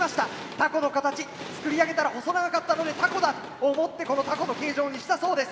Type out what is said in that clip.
タコの形作り上げたら細長かったのでタコだと思ってこのタコの形状にしたそうです。